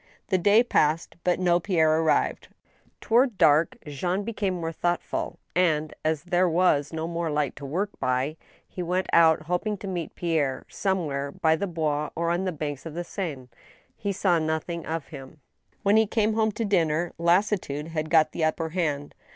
/ The day passed, but no Pierre arrived. Toward dark Jean became thoughtful, and, as there was no more light to work by, he went out hoping to meet Pierre somewhere by the Bois or on the banks of the Seine. He saw nothing of him. When he came home to dinner, lassitude had got the upper hand.